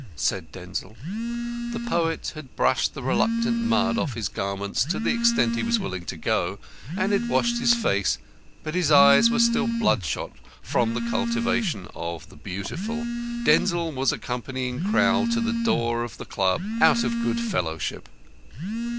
said Denzil. The poet had brushed the reluctant mud off his garments to the extent it was willing to go, and had washed his face, but his eyes were still bloodshot from the cultivation of the Beautiful. Denzil was accompanying Crowl to the door of the Club out of good fellowship.